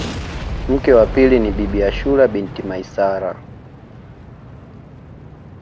Mke wake wa pili ni Bibi Ashura binti Maisara